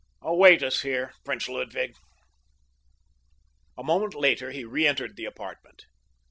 "Await us here, Prince Ludwig." A moment later he re entered the apartment.